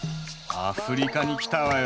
アフリカに来たわよ。